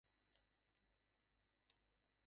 আপনাদের সন্তান মানসিকভাবে প্রতিবন্ধী।